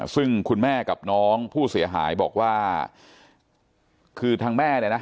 ซึ่งคุณแม่กับน้องผู้เสียหายบอกว่าคือทางแม่เนี่ยนะ